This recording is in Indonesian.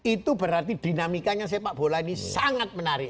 itu berarti dinamikanya sepak bola ini sangat menarik